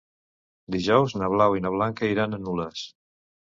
Dijous na Blau i na Blanca iran a Nules.